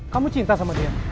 kamu cinta sama dia